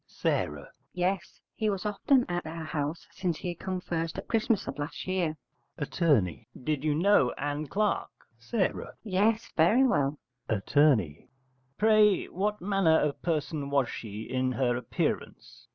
S. Yes: he was often at our house since he come first at Christmas of last year. Att. Did you know Ann Clark? S. Yes, very well. Att. Pray, what manner of person was she in her appearance?